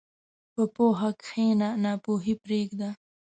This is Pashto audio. په پوهه کښېنه، ناپوهي پرېږده.